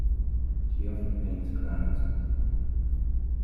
She often paints crowds.